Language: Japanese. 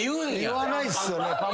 言わないっすよね。